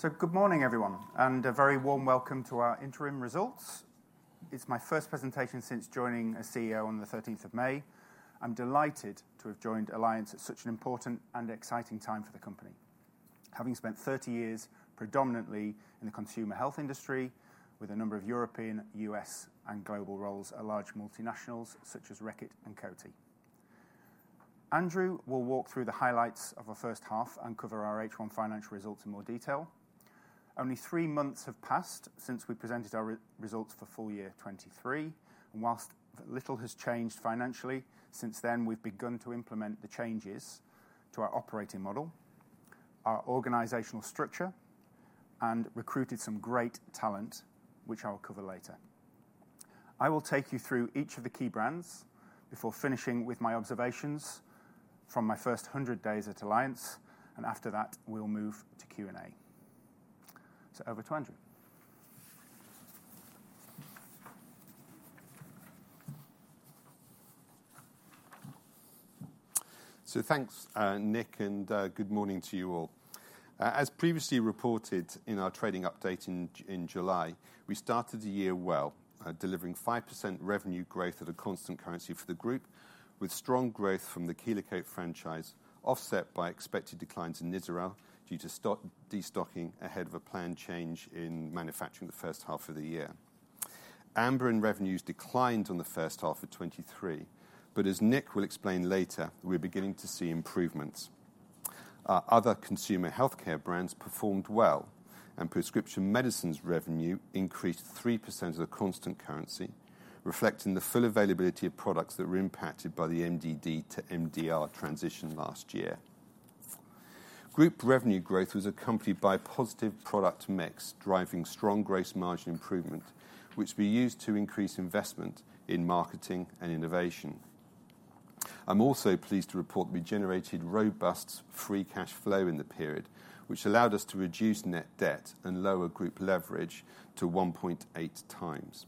Good morning, everyone, and a very warm welcome to our interim results. It's my first presentation since joining as CEO on the 13th of May. I'm delighted to have joined Alliance at such an important and exciting time for the company. Having spent 30 years predominantly in the consumer health industry, with a number of European, U.S., and global roles at large multinationals such as Reckitt and Coty. Andrew will walk through the highlights of our first half and cover our H1 financial results in more detail. Only three months have passed since we presented our results for full year twenty twenty-three, and whilst little has changed financially since then, we've begun to implement the changes to our operating model, our organizational structure, and recruited some great talent, which I'll cover later. I will take you through each of the key brands before finishing with my observations from my first hundred days at Alliance, and after that, we'll move to Q&A. So over to Andrew. Thanks, Nick, and good morning to you all. As previously reported in our trading update in July, we started the year well, delivering 5% revenue growth at a constant currency for the group, with strong growth from the Kelo-Cote franchise, offset by expected declines in Nizoral due to stock destocking ahead of a planned change in manufacturing in the first half of the year. Amberen revenues declined in the first half of twenty twenty-three, but as Nick will explain later, we're beginning to see improvements. Our other consumer healthcare brands performed well, and prescription medicines revenue increased 3% at constant currency, reflecting the full availability of products that were impacted by the MDD to MDR transition last year. Group revenue growth was accompanied by positive product mix, driving strong gross margin improvement, which we used to increase investment in marketing and innovation. I'm also pleased to report we generated robust free cash flow in the period, which allowed us to reduce net debt and lower group leverage to 1.8 times.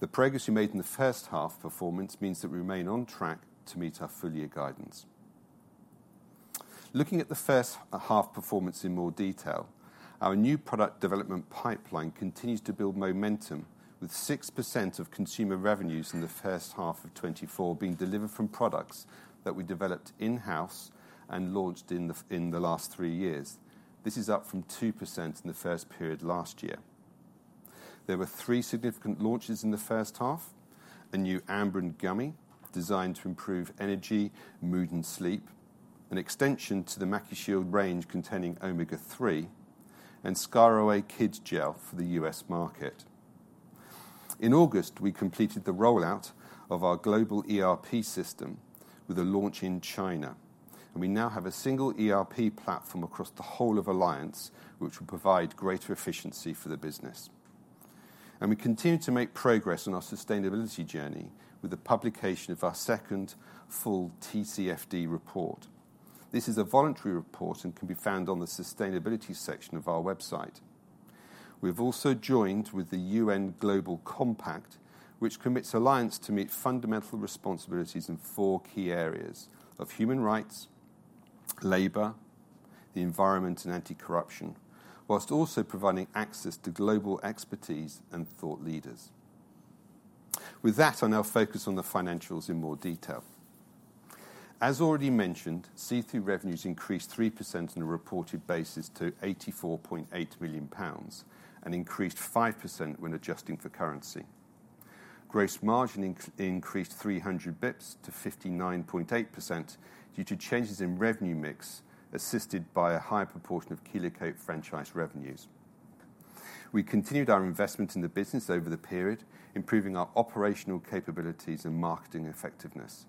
The progress we made in the first half performance means that we remain on track to meet our full year guidance. Looking at the first half performance in more detail, our new product development pipeline continues to build momentum, with 6% of consumer revenues in the first half of twenty twenty-four being delivered from products that we developed in-house and launched in the last three years. This is up from 2% in the first period last year. There were three significant launches in the first half: the new Amberen Gummy, designed to improve energy, mood, and sleep; an extension to the MacuShield range containing Omega-3; and ScarAway Kids Gel for the U.S. market. In August, we completed the rollout of our global ERP system with a launch in China, and we now have a single ERP platform across the whole of Alliance, which will provide greater efficiency for the business. And we continue to make progress on our sustainability journey with the publication of our second full TCFD report. This is a voluntary report and can be found on the sustainability section of our website. We've also joined with the UN Global Compact, which commits Alliance to meet fundamental responsibilities in four key areas of human rights, labor, the environment, and anti-corruption, while also providing access to global expertise and thought leaders. With that, I'll now focus on the financials in more detail. As already mentioned, H1 revenues increased 3% on a reported basis to 84.8 million pounds and increased 5% when adjusting for currency. Gross margin increased 300 basis points to 59.8% due to changes in revenue mix, assisted by a higher proportion of Kelo-Cote franchise revenues. We continued our investment in the business over the period, improving our operational capabilities and marketing effectiveness.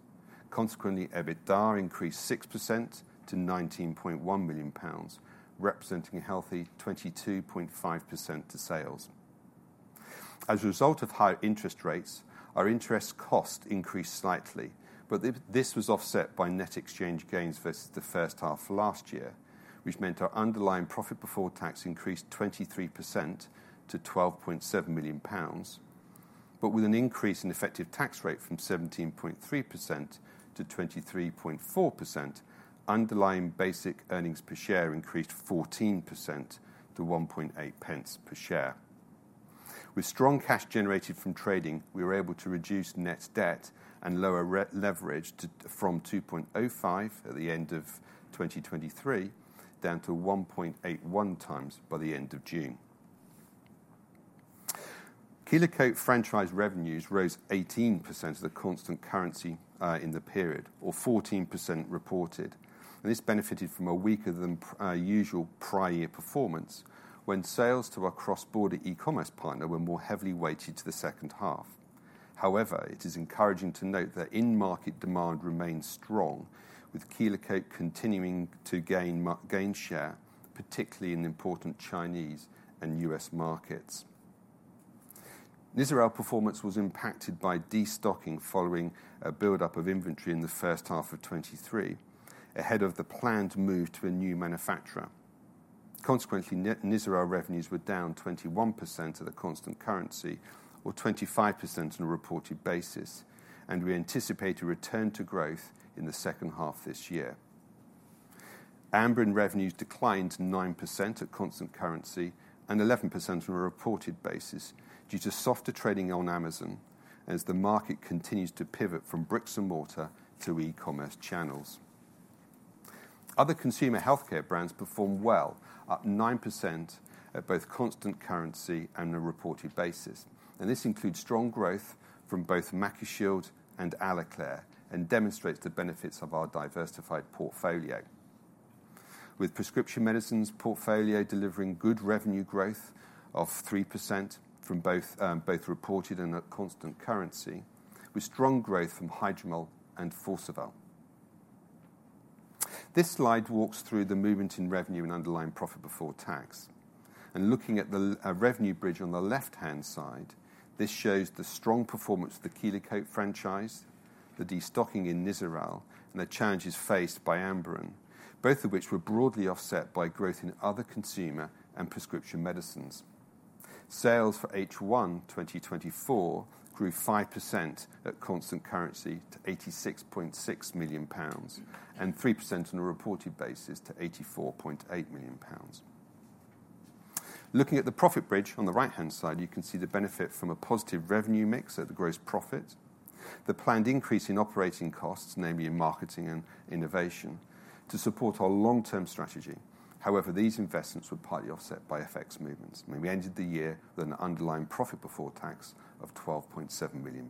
Consequently, EBITDA increased 6% to 19.1 million pounds, representing a healthy 22.5% to sales. As a result of high interest rates, our interest cost increased slightly, but this was offset by net exchange gains versus the first half of last year, which meant our underlying profit before tax increased 23% to GBP 12.7 million. But with an increase in effective tax rate from 17.3% to 23.4%, underlying basic earnings per share increased 14% to 1.8 pence per share. With strong cash generated from trading, we were able to reduce net debt and lower leverage from 2.05 at the end of twenty twenty-three, down to 1.81 times by the end of June. Kelo-Cote franchise revenues rose 18% at constant currency in the period, or 14% reported, and this benefited from a weaker than usual prior year performance, when sales to our cross-border e-commerce partner were more heavily weighted to the second half. However, it is encouraging to note that in-market demand remains strong, with Kelo-Cote continuing to gain share, particularly in the important Chinese and US markets. Nizoral performance was impacted by destocking following a buildup of inventory in the first half of twenty twenty-three, ahead of the planned move to a new manufacturer. Consequently, Nizoral revenues were down 21% at constant currency or 25% on a reported basis, and we anticipate a return to growth in the second half this year.... Amberen revenues declined by 9% at constant currency and 11% on a reported basis due to softer trading on Amazon, as the market continues to pivot from bricks and mortar to e-commerce channels. Other consumer healthcare brands performed well, up 9% at both constant currency and a reported basis, and this includes strong growth from both MacuShield and Aloclair, and demonstrates the benefits of our diversified portfolio. With prescription medicines portfolio delivering good revenue growth of 3% from both, both reported and at constant currency, with strong growth from Hydromol and Forceval. This slide walks through the movement in revenue and underlying profit before tax. And looking at the revenue bridge on the left-hand side, this shows the strong performance of the Kelo-Cote franchise, the destocking in Nizoral, and the challenges faced by Amberen, both of which were broadly offset by growth in other consumer and prescription medicines. Sales for H1 twenty twenty-four grew 5% at constant currency to 86.6 million pounds, and 3% on a reported basis to 84.8 million pounds. Looking at the profit bridge on the right-hand side, you can see the benefit from a positive revenue mix at the gross profit. The planned increase in operating costs, namely in marketing and innovation, to support our long-term strategy. However, these investments were partly offset by FX movements, and we ended the year with an underlying profit before tax of GBP 12.7 million.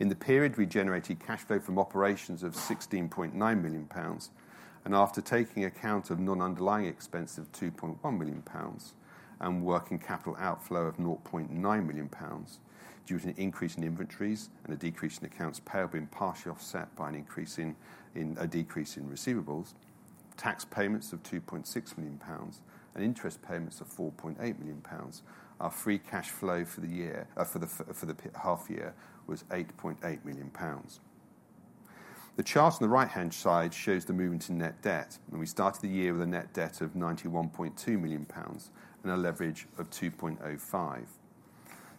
In the period, we generated cash flow from operations of GBP 16.9 million, and after taking account of non-underlying expenses of GBP 2.1 million, and working capital outflow of GBP 0.9 million, due to an increase in inventories and a decrease in accounts payable, being partially offset by a decrease in receivables, tax payments of 2.6 million pounds and interest payments of 4.8 million pounds, our free cash flow for the half year was 8.8 million pounds. The chart on the right-hand side shows the movement in net debt, and we started the year with a net debt of 91.2 million pounds and a leverage of 2.05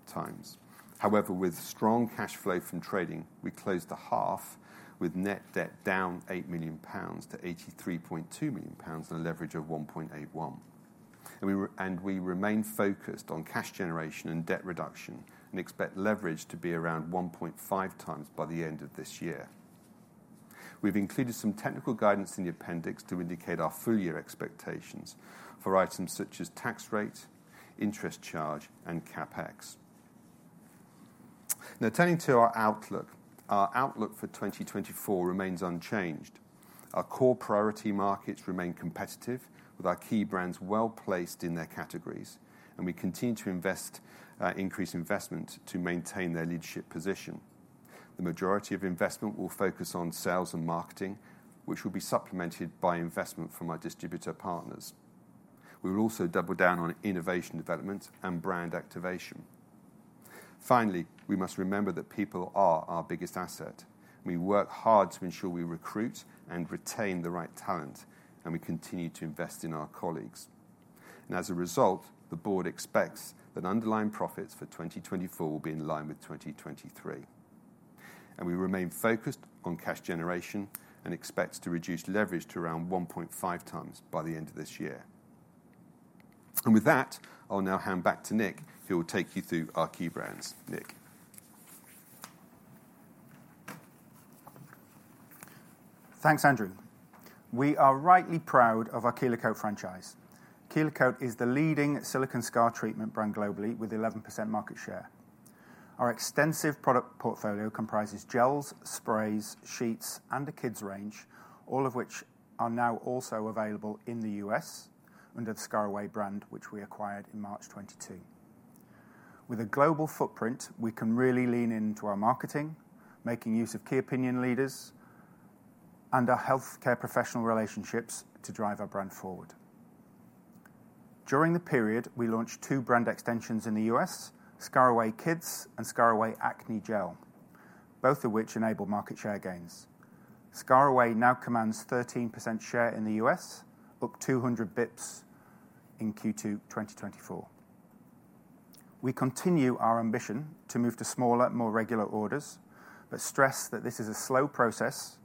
times. However, with strong cash flow from trading, we closed the half with net debt down 8 million pounds to 83.2 million pounds and a leverage of 1.81. And we remain focused on cash generation and debt reduction and expect leverage to be around 1.5 times by the end of this year. We've included some technical guidance in the appendix to indicate our full year expectations for items such as tax rate, interest charge, and CapEx. Now, turning to our outlook. Our outlook for twenty twenty-four remains unchanged. Our core priority markets remain competitive, with our key brands well-placed in their categories, and we continue to invest, increase investment to maintain their leadership position. The majority of investment will focus on sales and marketing, which will be supplemented by investment from our distributor partners. We will also double down on innovation development and brand activation. Finally, we must remember that people are our biggest asset. We work hard to ensure we recruit and retain the right talent, and we continue to invest in our colleagues. As a result, the board expects that underlying profits for twenty twenty-four will be in line with twenty twenty-three. We remain focused on cash generation and expect to reduce leverage to around 1.5 times by the end of this year. With that, I'll now hand back to Nick, who will take you through our key brands. Nick? Thanks, Andrew. We are rightly proud of our Kelo-Cote franchise. Kelo-Cote is the leading silicone scar treatment brand globally, with 11% market share. Our extensive product portfolio comprises gels, sprays, sheets, and a kids' range, all of which are now also available in the U.S. under the ScarAway brand, which we acquired in March twenty twenty-two. With a global footprint, we can really lean into our marketing, making use of key opinion leaders and our healthcare professional relationships to drive our brand forward. During the period, we launched two brand extensions in the U.S., ScarAway Kids and ScarAway Acne Gel, both of which enabled market share gains. ScarAway now commands 13% share in the U.S., up two hundred basis points in Q2 twenty twenty-four. We continue our ambition to move to smaller, more regular orders, but stress that this is a slow process,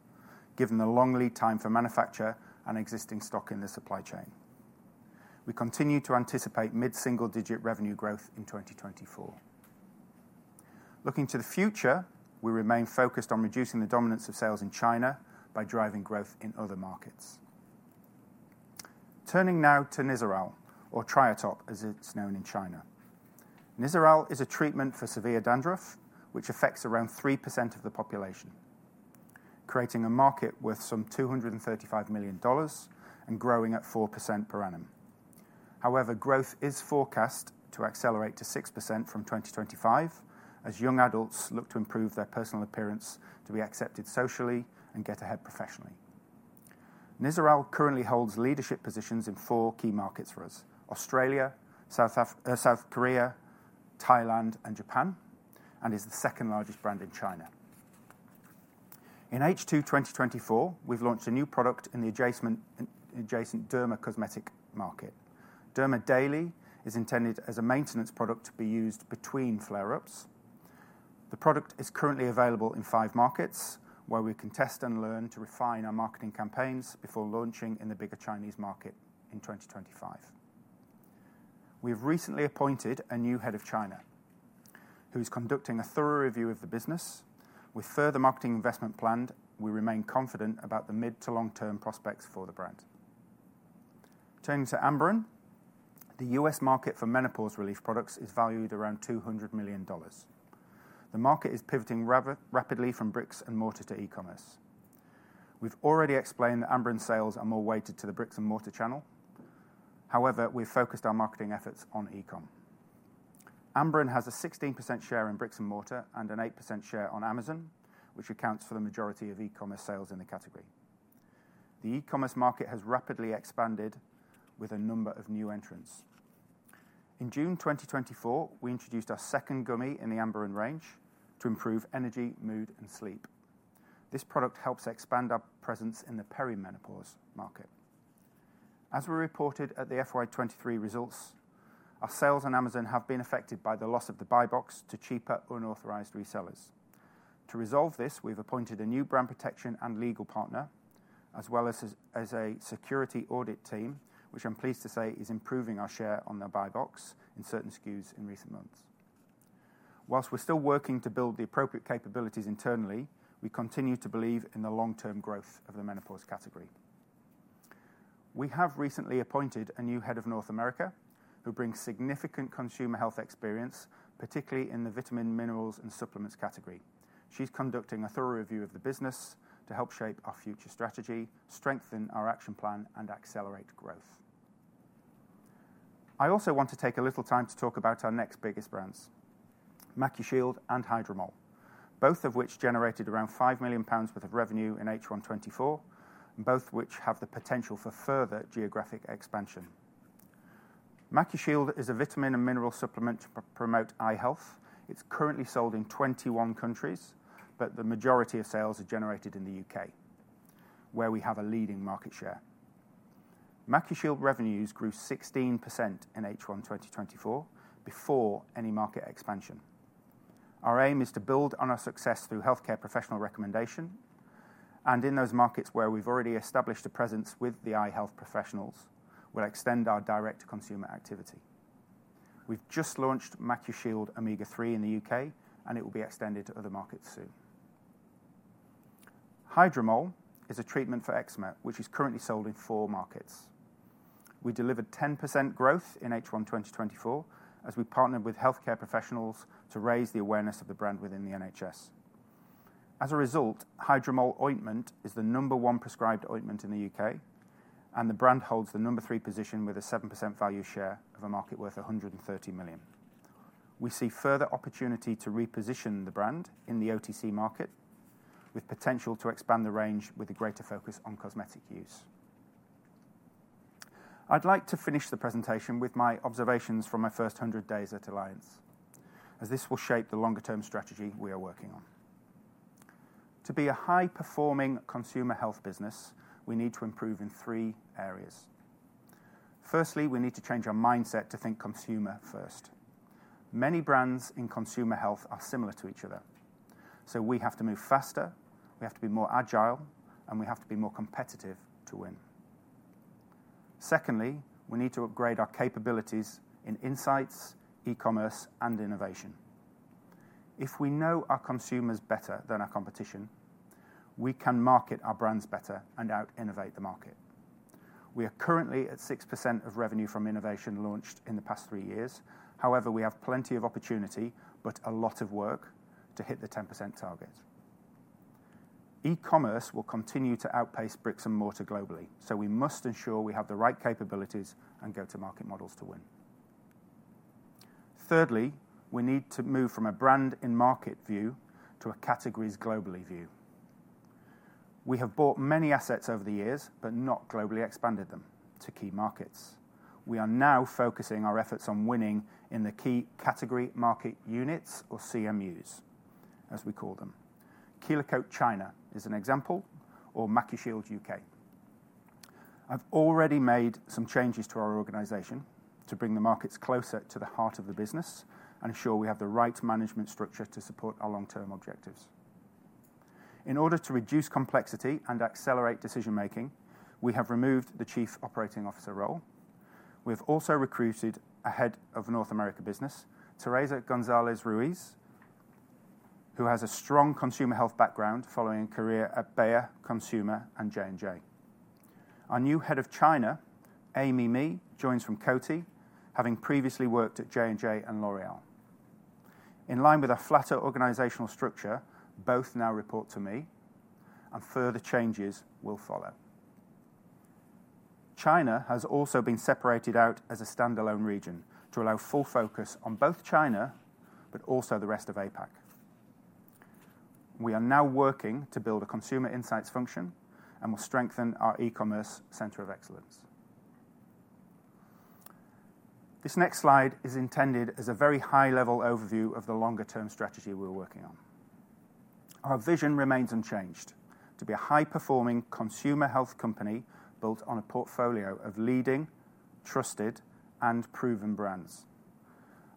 given the long lead time for manufacture and existing stock in the supply chain. We continue to anticipate mid-single-digit revenue growth in twenty twenty-four. Looking to the future, we remain focused on reducing the dominance of sales in China by driving growth in other markets. Turning now to Nizoral, or Triatop as it's known in China. Nizoral is a treatment for severe dandruff, which affects around 3% of the population, creating a market worth some $235 million and growing at 4% per annum. However, growth is forecast to accelerate to 6% from twenty twenty-five, as young adults look to improve their personal appearance to be accepted socially and get ahead professionally. Nizoral currently holds leadership positions in four key markets for us: Australia, South Korea, Thailand, and Japan, and is the second largest brand in China. In H2 twenty twenty-four, we've launched a new product in the adjacent derma cosmetic market. Derma Daily is intended as a maintenance product to be used between flare-ups. The product is currently available in five markets, where we can test and learn to refine our marketing campaigns before launching in the bigger Chinese market in twenty twenty-five. We've recently appointed a new head of China, who is conducting a thorough review of the business. With further marketing investment planned, we remain confident about the mid to long-term prospects for the brand. Turning to Amberen, the U.S. market for menopause relief products is valued around $200 million. The market is pivoting rapidly from bricks and mortar to e-commerce. We've already explained that Amberen sales are more weighted to the bricks-and-mortar channel. However, we've focused our marketing efforts on e-com. Amberen has a 16% share in bricks and mortar and an 8% share on Amazon, which accounts for the majority of e-commerce sales in the category. The e-commerce market has rapidly expanded with a number of new entrants. In June twenty twenty-four, we introduced our second gummy in the Amberen range to improve energy, mood, and sleep. This product helps expand our presence in the perimenopause market. As we reported at the FY twenty twenty-three results, our sales on Amazon have been affected by the loss of the buy box to cheaper, unauthorized resellers. To resolve this, we've appointed a new brand protection and legal partner as well as a security audit team, which I'm pleased to say is improving our share on the buy box in certain SKUs in recent months. While we're still working to build the appropriate capabilities internally, we continue to believe in the long-term growth of the menopause category. We have recently appointed a new head of North America, who brings significant consumer health experience, particularly in the vitamin, minerals, and supplements category. She's conducting a thorough review of the business to help shape our future strategy, strengthen our action plan, and accelerate growth. I also want to take a little time to talk about our next biggest brands, MacuShield and Hydromol, both of which generated around 5 million pounds worth of revenue in H1 twenty twenty-four, and both which have the potential for further geographic expansion. MacuShield is a vitamin and mineral supplement to promote eye health. It's currently sold in 21 countries, but the majority of sales are generated in the U.K., where we have a leading market share. MacuShield revenues grew 16% in H1 twenty twenty-four before any market expansion. Our aim is to build on our success through healthcare professional recommendation, and in those markets where we've already established a presence with the eye health professionals, we'll extend our direct-to-consumer activity. We've just launched MacuShield Omega-3 in the U.K., and it will be extended to other markets soon. Hydromol is a treatment for eczema, which is currently sold in 4 markets. We delivered 10% growth in H1 twenty twenty-four as we partnered with healthcare professionals to raise the awareness of the brand within the NHS. As a result, Hydromol ointment is the number one prescribed ointment in the U.K., and the brand holds the number three position with a 7% value share of a market worth 130 million. We see further opportunity to reposition the brand in the OTC market, with potential to expand the range with a greater focus on cosmetic use. I'd like to finish the presentation with my observations from my first hundred days at Alliance, as this will shape the longer-term strategy we are working on. To be a high-performing consumer health business, we need to improve in three areas. Firstly, we need to change our mindset to think consumer first. Many brands in consumer health are similar to each other, so we have to move faster, we have to be more agile, and we have to be more competitive to win. Secondly, we need to upgrade our capabilities in insights, e-commerce, and innovation. If we know our consumers better than our competition, we can market our brands better and out-innovate the market. We are currently at 6% of revenue from innovation launched in the past three years. However, we have plenty of opportunity, but a lot of work to hit the 10% target. E-commerce will continue to outpace bricks and mortar globally, so we must ensure we have the right capabilities and go-to-market models to win. Thirdly, we need to move from a brand in market view to a categories globally view. We have bought many assets over the years, but not globally expanded them to key markets. We are now focusing our efforts on winning in the key category market units or CMUs, as we call them. Kelo-Cote China is an example, or MacuShield UK. I've already made some changes to our organization to bring the markets closer to the heart of the business and ensure we have the right management structure to support our long-term objectives. In order to reduce complexity and accelerate decision-making, we have removed the chief operating officer role. We've also recruited a head of North America business, Teresa González-Ruiz, who has a strong consumer health background following a career at Bayer Consumer and J&J. Our new head of China, Amy Mi, joins from Coty, having previously worked at J&J and L'Oréal. In line with a flatter organizational structure, both now report to me, and further changes will follow. China has also been separated out as a standalone region to allow full focus on both China, but also the rest of APAC. We are now working to build a consumer insights function and will strengthen our e-commerce center of excellence. This next slide is intended as a very high-level overview of the longer-term strategy we're working on. Our vision remains unchanged: to be a high-performing consumer health company built on a portfolio of leading, trusted, and proven brands.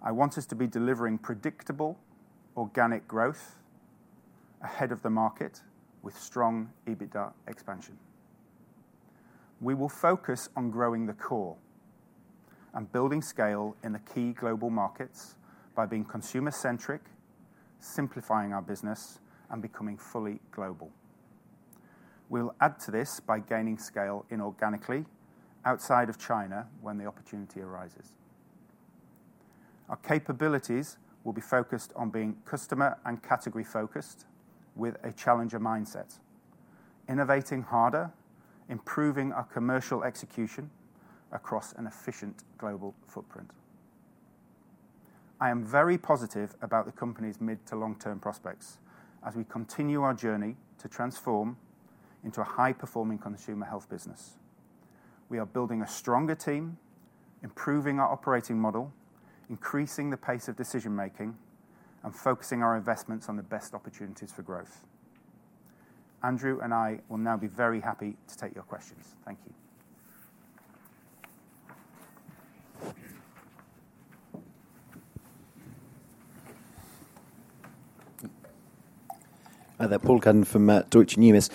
I want us to be delivering predictable organic growth ahead of the market with strong EBITDA expansion. We will focus on growing the core and building scale in the key global markets by being consumer-centric, simplifying our business, and becoming fully global. We'll add to this by gaining scale inorganically outside of China when the opportunity arises. Our capabilities will be focused on being customer- and category-focused with a challenger mindset, innovating harder, improving our commercial execution across an efficient global footprint. I am very positive about the company's mid- to long-term prospects as we continue our journey to transform into a high-performing consumer health business. We are building a stronger team, improving our operating model, increasing the pace of decision-making, and focusing our investments on the best opportunities for growth. Andrew and I will now be very happy to take your questions. Thank you. Hi there, Paul Cuddon from Deutsche Numis.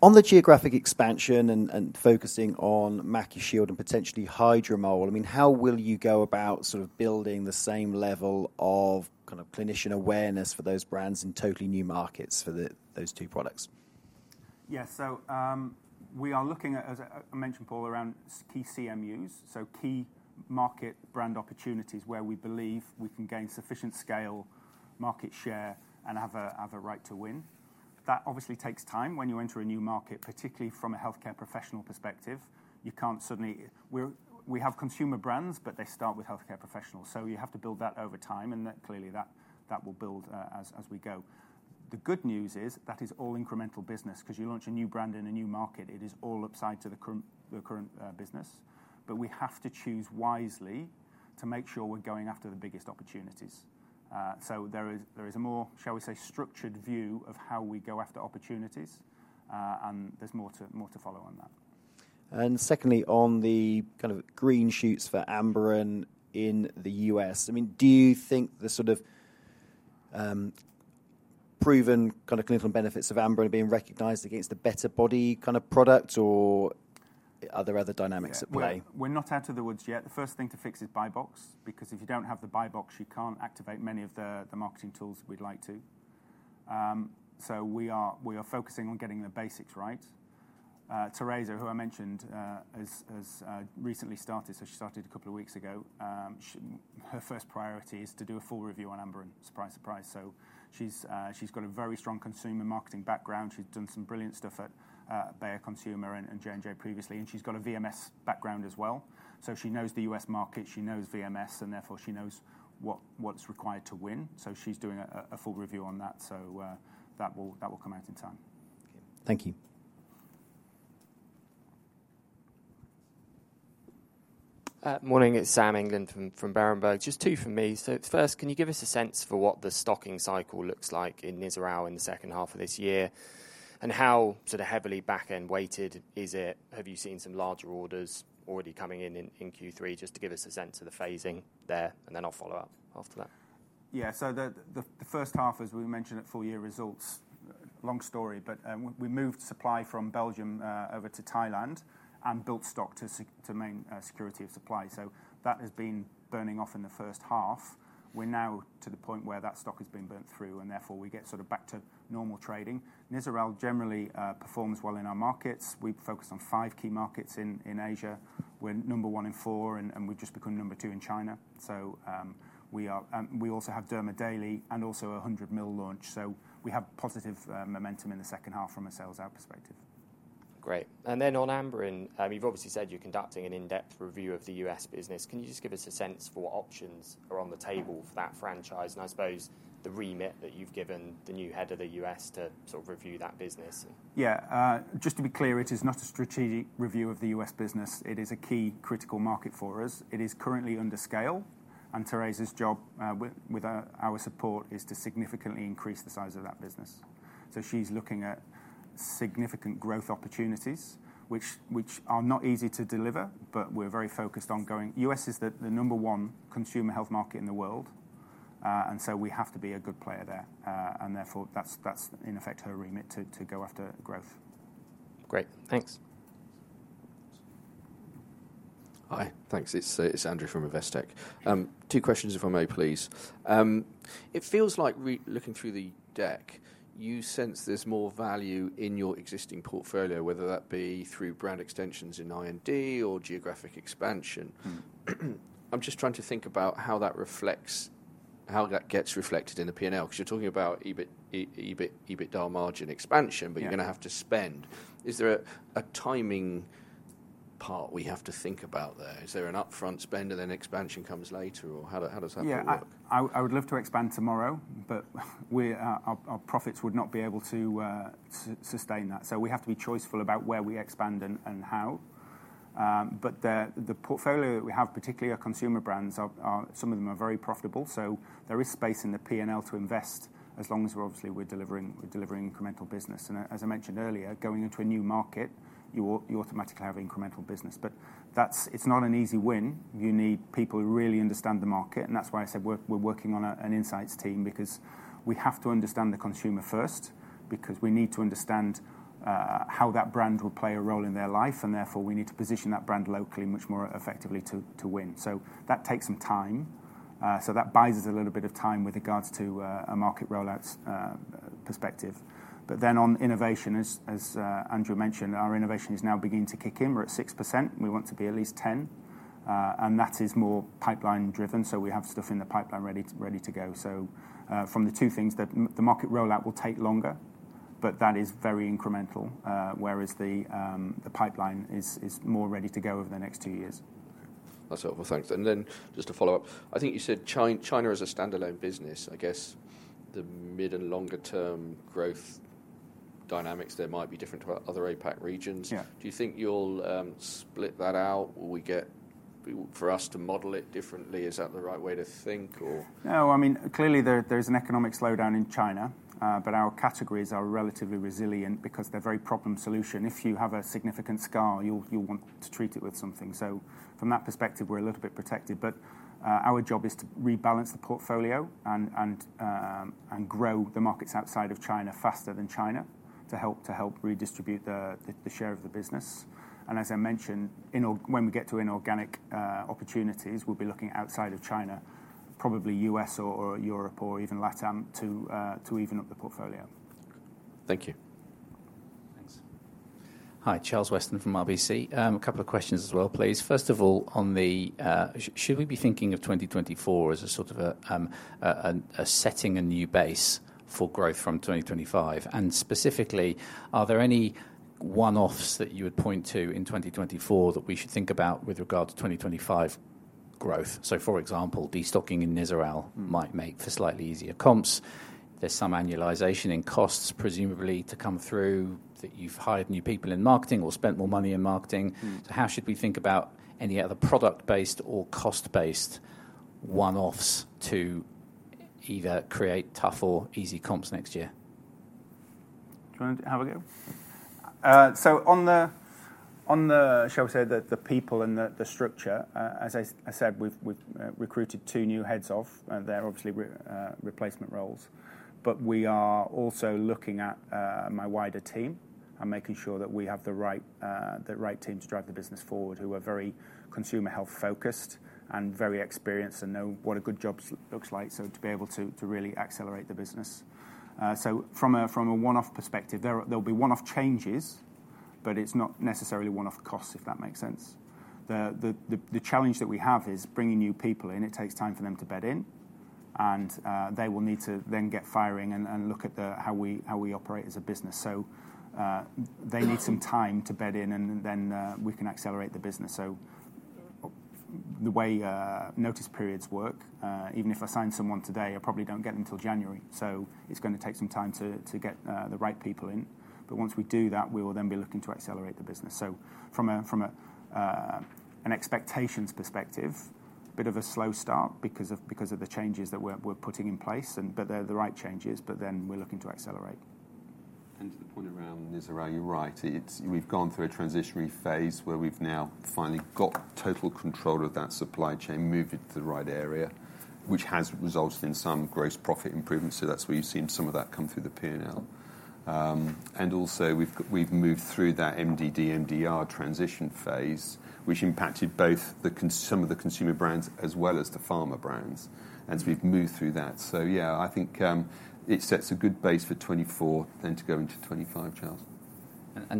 On the geographic expansion and focusing on MacuShield and potentially Hydromol, I mean, how will you go about sort of building the same level of kind of clinician awareness for those brands in totally new markets for those two products? Yeah. So, we are looking at, as I mentioned, Paul, around key CMUs, so key market brand opportunities where we believe we can gain sufficient scale, market share, and have a right to win. That obviously takes time when you enter a new market, particularly from a healthcare professional perspective. You can't suddenly... We have consumer brands, but they start with healthcare professionals, so you have to build that over time, and that clearly will build as we go. The good news is that is all incremental business. 'Cause you launch a new brand in a new market, it is all upside to the current business. But we have to choose wisely to make sure we're going after the biggest opportunities. So there is a more, shall we say, structured view of how we go after opportunities, and there's more to follow on that. Secondly, on the kind of green shoots for Amberen in the U.S., I mean, do you think the sort of proven kind of clinical benefits of Amberen being recognized against a better body kind of product, or are there other dynamics at play? Yeah, we're not out of the woods yet. The first thing to fix is Buy Box, because if you don't have the Buy Box, you can't activate many of the marketing tools we'd like to. So we are focusing on getting the basics right. Teresa, who I mentioned, has recently started, so she started a couple of weeks ago. Her first priority is to do a full review on Amberen, surprise, surprise. So she's got a very strong consumer marketing background. She's done some brilliant stuff at Bayer Consumer and J&J previously, and she's got a VMS background as well. So she knows the U.S. market, she knows VMS, and therefore, she knows what's required to win. So she's doing a full review on that. That will come out in time. Okay. Thank you. Morning. It's Sam England from Berenberg. Just two from me. So first, can you give us a sense for what the stocking cycle looks like in Nizoral in the second half of this year, and how sort of heavily back-end weighted is it? Have you seen some larger orders already coming in Q3? Just to give us a sense of the phasing there, and then I'll follow up after that. Yeah. So the first half, as we mentioned at full year results, long story, but we moved supply from Belgium over to Thailand and built stock to maintain security of supply. So that has been burning off in the first half. We're now to the point where that stock has been burned through, and therefore, we get sort of back to normal trading. Nizoral generally performs well in our markets. We focus on five key markets in Asia. We're number one in four, and we've just become number two in China. So we also have Derma Daily and also a 100 mil launch. So we have positive momentum in the second half from a sales out perspective. Great. And then on Amberen, I mean, you've obviously said you're conducting an in-depth review of the U.S. business. Can you just give us a sense for what options are on the table for that franchise, and I suppose the remit that you've given the new head of the U.S. to sort of review that business? Yeah. Just to be clear, it is not a strategic review of the U.S. business. It is a key critical market for us. It is currently under scale, and Teresa's job, with our support, is to significantly increase the size of that business. So she's looking at significant growth opportunities, which are not easy to deliver, but we're very focused on going... U.S. is the number one consumer health market in the world. And so we have to be a good player there. And therefore, that's in effect her remit to go after growth. Great. Thanks. Hi. Thanks. It's Andrew from Investec. Two questions, if I may, please. It feels like re-looking through the deck, you sense there's more value in your existing portfolio, whether that be through brand extensions in R&D or geographic expansion. Mm-hmm. I'm just trying to think about how that reflects, how that gets reflected in the P&L. 'Cause you're talking about EBIT, EBITDA margin expansion- Yeah... but you're gonna have to spend. Is there a timing part we have to think about there? Is there an upfront spend, and then expansion comes later, or how does that all work? Yeah. I would love to expand tomorrow, but our profits would not be able to sustain that. So we have to be choiceful about where we expand and how. But the portfolio that we have, particularly our consumer brands, some of them are very profitable, so there is space in the P&L to invest as long as we're obviously delivering incremental business. And as I mentioned earlier, going into a new market, you automatically have incremental business. But that's not an easy win. You need people who really understand the market, and that's why I said we're working on an insights team, because we have to understand the consumer first, because we need to understand how that brand will play a role in their life, and therefore, we need to position that brand locally much more effectively to win. So that takes some time, so that buys us a little bit of time with regards to a market rollout's perspective. But then, on innovation, as Andrew mentioned, our innovation is now beginning to kick in. We're at 6%, and we want to be at least 10. And that is more pipeline driven, so we have stuff in the pipeline ready to go. From the two things, the market rollout will take longer, but that is very incremental, whereas the pipeline is more ready to go over the next two years. That's helpful. Thanks. And then, just to follow up, I think you said China is a standalone business. I guess the mid- and longer-term growth dynamics there might be different to our other APAC regions. Yeah. Do you think you'll split that out? Will we get... For us to model it differently, is that the right way to think, or? No, I mean, clearly, there is an economic slowdown in China, but our categories are relatively resilient because they're very problem solution. If you have a significant scar, you'll want to treat it with something, so from that perspective, we're a little bit protected, but our job is to rebalance the portfolio and grow the markets outside of China faster than China, to help redistribute the share of the business, and as I mentioned, when we get to inorganic opportunities, we'll be looking outside of China, probably U.S. or Europe or even LATAM, to even up the portfolio. Thank you. Thanks. Hi, Charles Weston from RBC. A couple of questions as well, please. First of all, should we be thinking of twenty twenty-four as a sort of setting a new base for growth from twenty twenty-five? And specifically, are there any one-offs that you would point to in twenty twenty-four that we should think about with regard to twenty twenty-five growth? So for example, destocking in Nizoral- Mm... might make for slightly easier comps. There's some annualization in costs, presumably to come through, that you've hired new people in marketing or spent more money in marketing. Mm. How should we think about any other product-based or cost-based one-offs to either create tough or easy comps next year? Do you want to have a go? So on the, shall we say, the people and the structure, as I said, we've recruited two new heads of, and they're obviously replacement roles. But we are also looking at my wider team and making sure that we have the right team to drive the business forward, who are very consumer health-focused and very experienced and know what a good job looks like, so to be able to really accelerate the business. So from a one-off perspective, there'll be one-off changes, but it's not necessarily one-off costs, if that makes sense. The challenge that we have is bringing new people in. It takes time for them to bed in, and they will need to then get firing and look at the how we operate as a business. So they need some time to bed in, and then we can accelerate the business. So the way notice periods work, even if I sign someone today, I probably don't get them until January. So it's going to take some time to get the right people in. But once we do that, we will then be looking to accelerate the business. So from a expectations perspective, bit of a slow start because of the changes that we're putting in place and but they're the right changes, but then we're looking to accelerate. To the point around Nizoral, you're right. It's. We've gone through a transitionary phase where we've now finally got total control of that supply chain, moved it to the right area, which has resulted in some gross profit improvements, so that's where you've seen some of that come through the P&L. And also, we've moved through that MDD, MDR transition phase, which impacted both some of the consumer brands as well as the pharma brands, as we've moved through that. Yeah, I think it sets a good base for twenty twenty-four then to go into twenty twenty-five, Charles.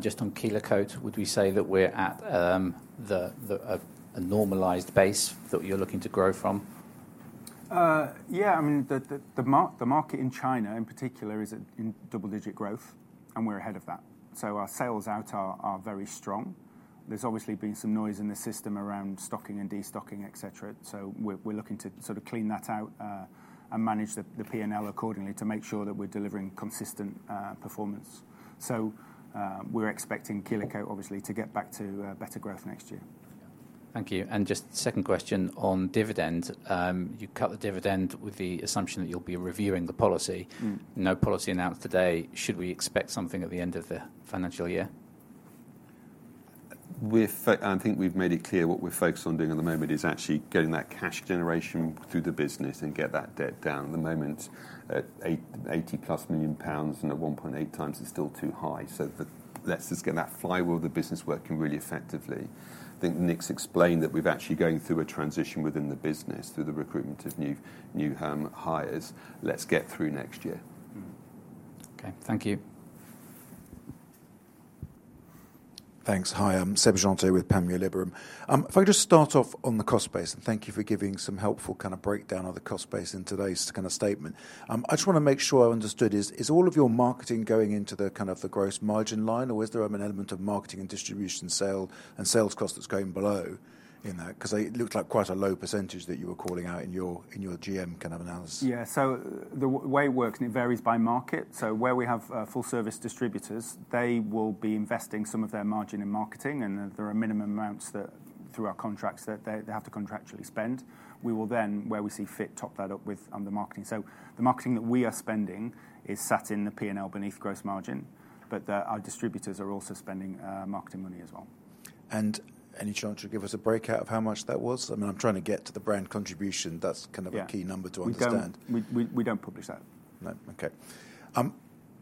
Just on Kelo-Cote, would we say that we're at a normalized base that you're looking to grow from? Yeah. I mean, the market in China, in particular, is in double-digit growth, and we're ahead of that. So our sales out are very strong. There's obviously been some noise in the system around stocking and destocking, et cetera, so we're looking to sort of clean that out, and manage the P&L accordingly to make sure that we're delivering consistent performance. So, we're expecting Kelo-Cote obviously to get back to better growth next year. Thank you. And just second question on dividend. You cut the dividend with the assumption that you'll be reviewing the policy. Mm. No policy announced today. Should we expect something at the end of the financial year? I think we've made it clear what we're focused on doing at the moment is actually getting that cash generation through the business and get that debt down. At the moment, at 88+ million pounds and at 1.8 times, it's still too high. So, let's just get that flywheel of the business working really effectively. I think Nick's explained that we're actually going through a transition within the business through the recruitment of new hires. Let's get through next year. Okay. Thank you. ... Thanks. Hi, I'm Seb Jeantet with Panmure Liberum. If I could just start off on the cost base, and thank you for giving some helpful kind of breakdown of the cost base in today's kind of statement. I just want to make sure I understood, is, is all of your marketing going into the kind of the gross margin line, or is there an element of marketing and distribution, sale, and sales cost that's going below in that? 'Cause it looked like quite a low percentage that you were calling out in your, in your GM kind of analysis. Yeah, so the way it works, and it varies by market, so where we have full-service distributors, they will be investing some of their margin in marketing, and there are minimum amounts that, through our contracts, they have to contractually spend. We will then, where we see fit, top that up with on the marketing. So the marketing that we are spending is sat in the P&L beneath gross margin, but our distributors are also spending marketing money as well. Any chance you'd give us a breakdown of how much that was? I mean, I'm trying to get to the brand contribution. Yeah. That's kind of a key number to understand. We don't publish that. No. Okay.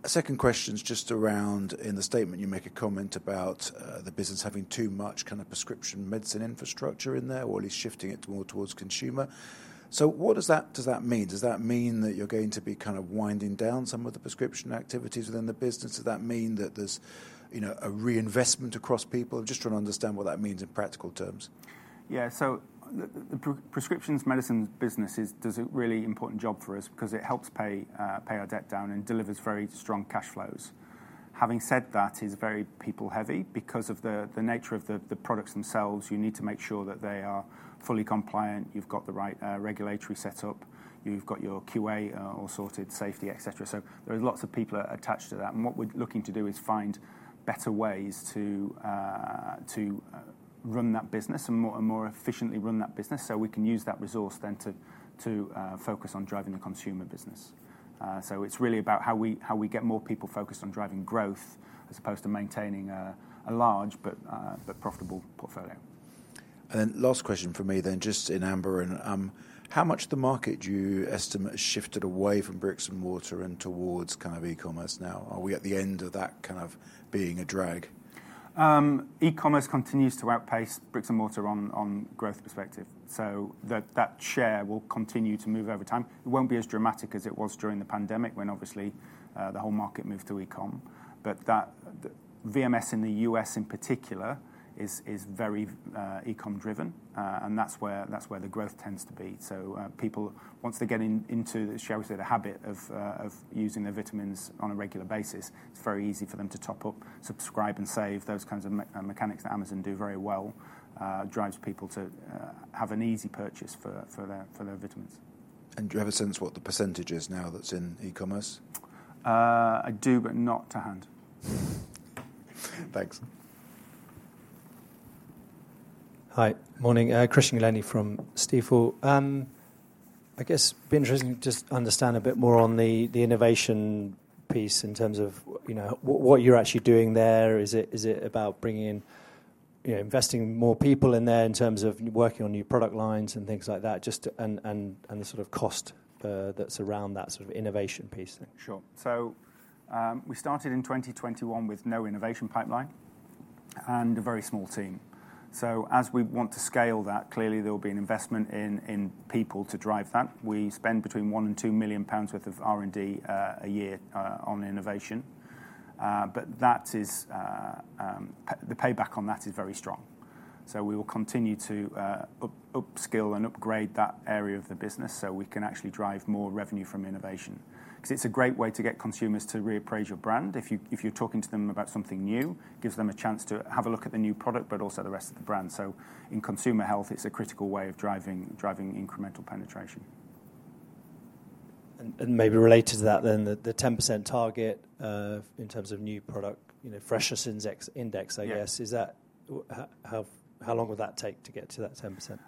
Second question's just around, in the statement you make a comment about, the business having too much kind of prescription medicine infrastructure in there, or at least shifting it more towards consumer. So what does that mean? Does that mean that you're going to be kind of winding down some of the prescription activities within the business? Does that mean that there's, you know, a reinvestment across people? I'm just trying to understand what that means in practical terms. Yeah, so the prescription medicine business does a really important job for us, because it helps pay our debt down and delivers very strong cash flows. Having said that, it is very people heavy. Because of the nature of the products themselves, you need to make sure that they are fully compliant, you've got the right regulatory setup, you've got your QA all sorted, safety, et cetera. So there are lots of people attached to that, and what we're looking to do is find better ways to run that business more efficiently, so we can use that resource then to focus on driving the consumer business. So it's really about how we get more people focused on driving growth as opposed to maintaining a large but profitable portfolio. And then last question from me then, just in Amberen, how much of the market do you estimate has shifted away from bricks and mortar and towards kind of e-commerce now? Are we at the end of that kind of being a drag? E-commerce continues to outpace bricks and mortar on growth perspective, so that share will continue to move over time. It won't be as dramatic as it was during the pandemic, when obviously the whole market moved to e-com, but that... VMS in the U.S. in particular is very e-com driven, and that's where the growth tends to be. So people, once they get into the, shall we say, the habit of using their vitamins on a regular basis, it's very easy for them to top up, subscribe and save. Those kinds of mechanics that Amazon do very well drives people to have an easy purchase for their vitamins. Do you have a sense what the percentage is now that's in e-commerce? I do, but not to hand. Thanks. Hi. Morning, Christian Glennie from Stifel. I guess it'd be interesting just to understand a bit more on the innovation piece in terms of you know, what you're actually doing there. Is it about bringing in, you know, investing more people in there in terms of working on new product lines and things like that? Just and the sort of cost that's around that sort of innovation piece. Sure. So, we started in twenty twenty-one with no innovation pipeline and a very small team. So as we want to scale that, clearly there will be an investment in people to drive that. We spend between 1 million and 2 million pounds worth of R&D a year on innovation. But that is the payback on that is very strong. So we will continue to upskill and upgrade that area of the business so we can actually drive more revenue from innovation. 'Cause it's a great way to get consumers to reappraise your brand. If you, if you're talking to them about something new, gives them a chance to have a look at the new product, but also the rest of the brand. So in consumer health, it's a critical way of driving incremental penetration. And maybe related to that then, the 10% target in terms of new product, you know, freshness index, I guess- Yeah... how long will that take to get to that 10%?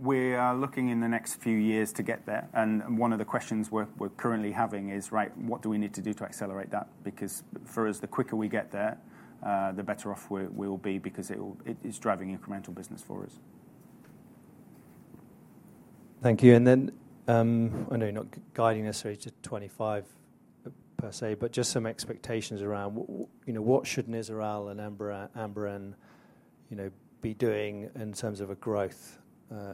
We are looking in the next few years to get there, and one of the questions we're currently having is, right, what do we need to do to accelerate that? Because for us, the quicker we get there, the better off we will be, because it will, it's driving incremental business for us. Thank you. And then, I know you're not guiding us necessarily to twenty-five per se, but just some expectations around what should Nizoral and Amberen, you know, be doing in terms of a growth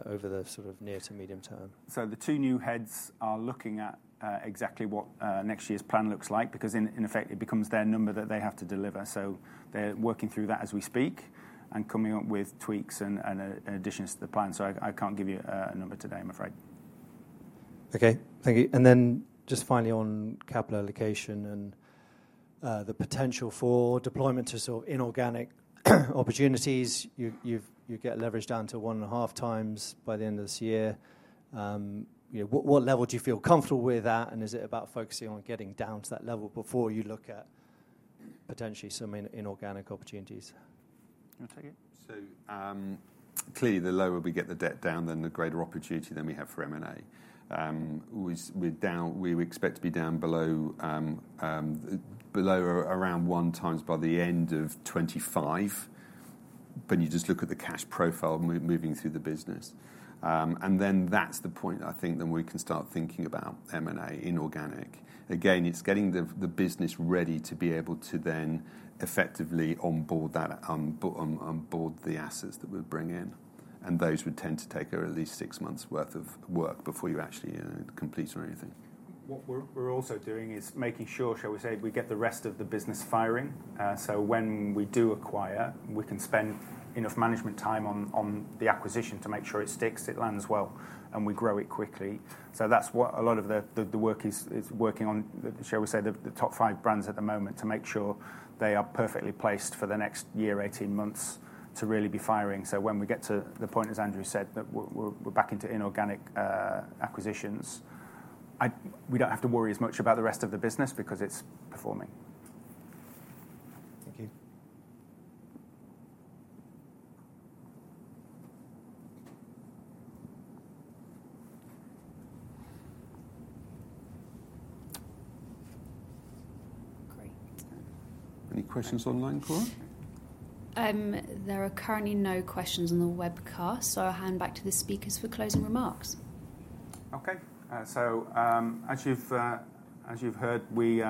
over the sort of near to medium term? So the two new heads are looking at exactly what next year's plan looks like, because in effect, it becomes their number that they have to deliver. So they're working through that as we speak and coming up with tweaks and additions to the plan. So I can't give you a number today, I'm afraid. Okay, thank you. And then just finally on capital allocation and the potential for deployment to sort of inorganic opportunities. You get leverage down to one and a half times by the end of this year. You know, what level do you feel comfortable with that, and is it about focusing on getting down to that level before you look at potentially some inorganic opportunities? You want to take it? So, clearly, the lower we get the debt down, then the greater opportunity then we have for M&A. We're down. We expect to be down below around one times by the end of twenty twenty-five. When you just look at the cash profile moving through the business. And then that's the point, I think, then we can start thinking about M&A inorganic. Again, it's getting the business ready to be able to then effectively onboard that, onboard the assets that we'll bring in, and those would tend to take at least six months' worth of work before you actually complete or anything. What we're also doing is making sure, shall we say, we get the rest of the business firing, so when we do acquire, we can spend enough management time on the acquisition to make sure it sticks, it lands well, and we grow it quickly. So that's what a lot of the work is working on, shall we say, the top five brands at the moment, to make sure they are perfectly placed for the next year, 18 months, to really be firing. So when we get to the point, as Andrew said, that we're back into inorganic acquisitions, we don't have to worry as much about the rest of the business, because it's performing. Thank you. Great. Any questions online, Cora? There are currently no questions on the webcast, so I'll hand back to the speakers for closing remarks. Okay. So, as you've heard, we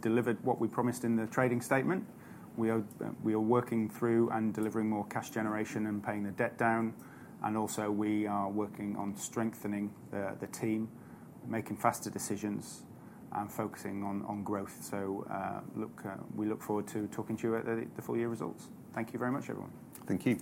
delivered what we promised in the trading statement. We are working through and delivering more cash generation and paying the debt down, and also, we are working on strengthening the team, making faster decisions, and focusing on growth. Look, we look forward to talking to you at the full year results. Thank you very much, everyone. Thank you.